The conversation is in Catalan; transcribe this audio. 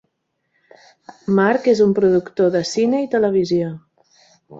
Mark és un productor de cine i televisió.